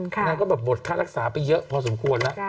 นางก็แบบหมดค่ารักษาไปเยอะพอสมควรแล้ว